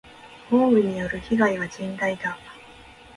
豪雨による被害は甚大だ。